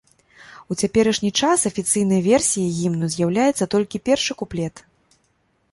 У цяперашні час афіцыйнай версіяй гімну з'яўляецца толькі першы куплет.